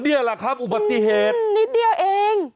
เดี๋ยวนี่แหละครับอุบัติเหตุอืมนิดเดียวเอง